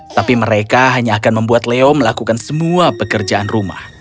tapi mereka hanya akan membuat leo melakukan semua pekerjaan rumah